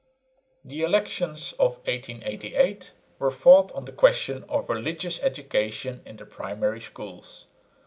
The elections of 1888 were fought on the question of religious education in the primary schools.